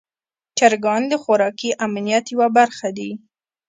چرګان د خوراکي امنیت یوه برخه دي.